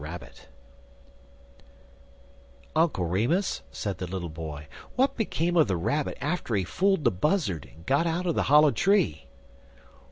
RABBIT "UNCLE REMUS," said the little boy, "what became of the Rabbit after he fooled the Buzzard, and got out of the hollow tree?"